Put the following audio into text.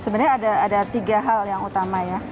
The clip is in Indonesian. sebenarnya ada tiga hal yang utama ya